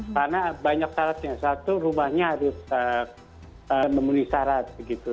karena banyak syaratnya satu rumahnya harus memenuhi syarat begitu